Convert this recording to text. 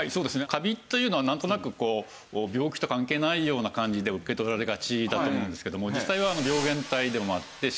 カビというのはなんとなくこう病気と関係ないような感じで受け取られがちだと思うんですけども実際は病原体でもあってしっかり肺炎を起こします。